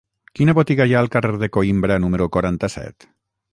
Quina botiga hi ha al carrer de Coïmbra número quaranta-set?